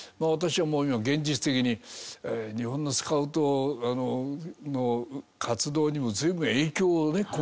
私は今現実的に日本のスカウトの活動にも随分影響をね